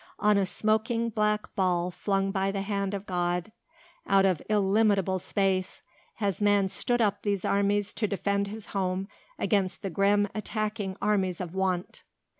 'On a smoking black ball flung by the hand of God out of illimitable space has man stood up these armies to defend his home against the grim attacking armies of want.